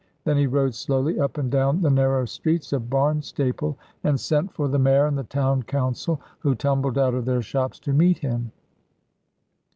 Then he rode slowly up and down the narrow streets of Barnstaple, and sent for the mayor and the town council, who tumbled out of their shops to meet him.